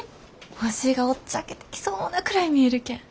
星がおっちゃけてきそうなくらい見えるけん。